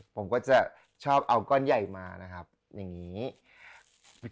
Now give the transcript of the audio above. ผมก็จะชอบเอาก้อนใหญ่มานะครับอย่างนี้